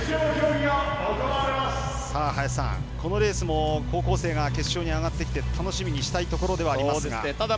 このレースも高校生が決勝に上がってきて楽しみにしたいところではありますが。